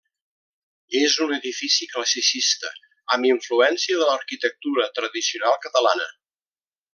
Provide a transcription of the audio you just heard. És un edifici classicista amb influència de l'arquitectura tradicional catalana.